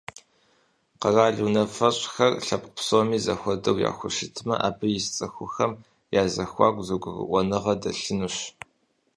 Къэрал унафэщӏхэр лъэпкъ псоми зэхуэдэу яхущытмэ, абы ис цӏыхухэм я зэхуаку зэгурыӀуэныгъэ дэлъынущ.